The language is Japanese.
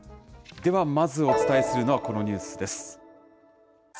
では、まずお伝えするのはこのニュースです。